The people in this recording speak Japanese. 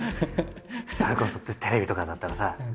それこそテレビとかだったらさ